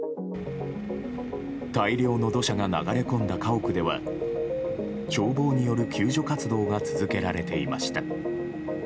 大量の土砂が流れ込んだ家屋では消防による救助活動が続けられていました。